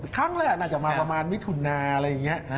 ครั้งแรกน่าจะมาประมาณมิถุนาอะไรอย่างนี้